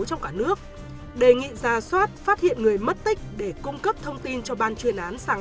trong cả nước đề nghị ra soát phát hiện người mất tích để cung cấp thông tin cho ban chuyên án sàng